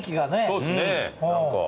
そうですね何か。